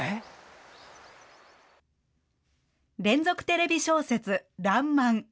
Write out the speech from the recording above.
連続テレビ小説、らんまん。